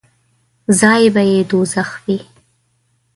ځای به یې دوږخ وي.